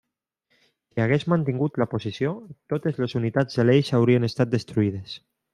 Si hagués mantingut la posició, totes les unitats de l'Eix haurien estat destruïdes.